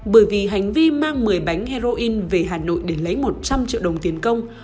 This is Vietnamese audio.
bởi vì hành vi mang một mươi bánh heroin về hà nội để lấy một trăm linh triệu đồng tiền công